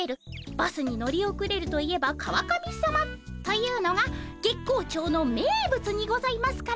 バスに乗り遅れるといえば川上さまというのが月光町の名物にございますからねえ。